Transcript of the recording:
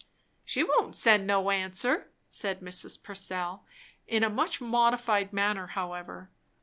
"She won't send no answer!" said Mrs. Purcell, in a much modified manner however.